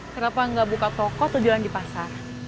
kenapa nggak buka toko atau jalan di pasar